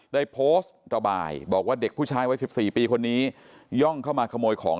ได้โพสต์ระบายบอกว่าเด็กผู้ชายวัย๑๔ปีคนนี้ย่องเข้ามาขโมยของ